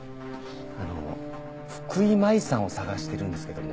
あの福井真衣さんを捜してるんですけども。